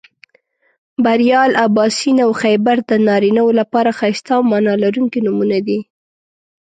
بریال، اباسین او خیبر د نارینهٔ و لپاره ښایسته او معنا لرونکي نومونه دي